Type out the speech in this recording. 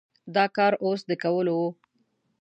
دا کار اوس د کولو و؟